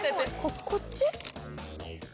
こっち？